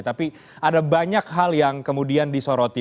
tapi ada banyak hal yang kemudian disoroti